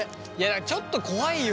ちょっと怖いよ。